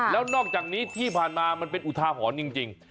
แล้วนอกจากนี้ที่ผ่านมามันเป็นอุทาหรณ์จริง